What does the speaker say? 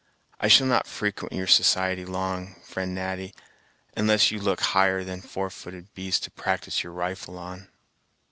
I shall not frequent your society long, friend Natty, unless you look higher than four footed beasts to practice your rifle on."